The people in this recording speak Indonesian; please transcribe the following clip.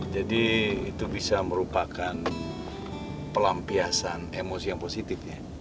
jadi itu bisa merupakan pelampiasan emosi yang positif ya